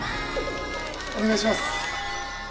お願いします。